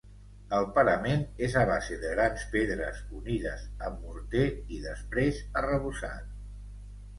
El parament és a base de grans pedres unides amb morter i després arrebossat.